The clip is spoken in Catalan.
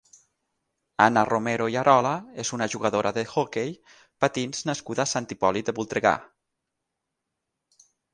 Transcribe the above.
Anna Romero i Arola és una jugadora d'hoquei patins nascuda a Sant Hipòlit de Voltregà.